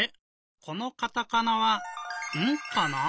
このカタカナは「ン」かな？